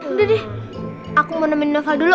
udah deh aku menemani noval dulu